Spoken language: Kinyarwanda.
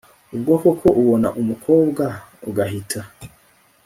ubwo koko ubona umukobwa ugahita